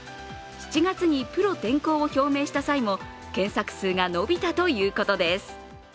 ７月にプロ転向を表明した際も検索数が伸びたということです。